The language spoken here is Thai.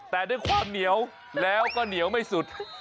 แต่ด้วยความเหนียวแล้วก็เหนียวไม่สุด